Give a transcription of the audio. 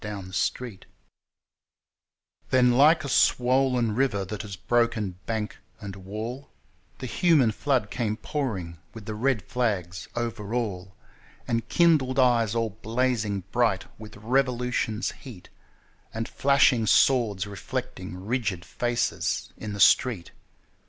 FACES IN THE STREET 13 Then, like a swollen river that has broken bank and wall, The human flood came pouring with the red flags over all, And kindled eyes all blazing bright with revolution's heat, And flashing swords reflecting rigid faces in the street.